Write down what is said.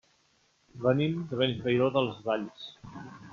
Venim de Benifairó de les Valls.